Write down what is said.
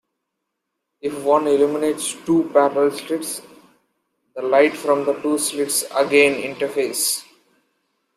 If one illuminates "two" parallel slits, the light from the two slits again interferes.